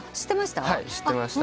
知ってました？